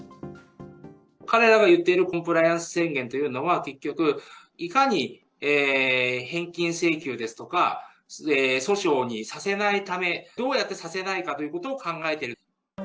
彼らが言っているコンプライアンス宣言というのは、結局、いかに返金請求ですとか、訴訟にさせないため、どうやってさせないかということを考えている。